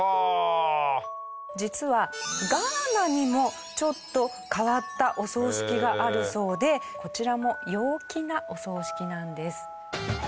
実はガーナにもちょっと変わったお葬式があるそうでこちらも陽気なお葬式なんです。